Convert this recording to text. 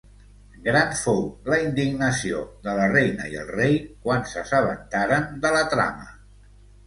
Gran fou la indignació de la reina i el rei quan s'assabentaren de la trama.